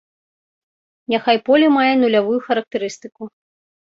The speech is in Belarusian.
Няхай поле мае нулявую характарыстыку.